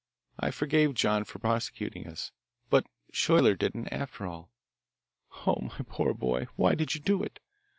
I forgave John for prosecuting us, but Schuyler didn't, after all. Oh, my poor boy, why did you do it?